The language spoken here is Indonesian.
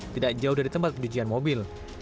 tidak jauh dari tempat pencucian mobil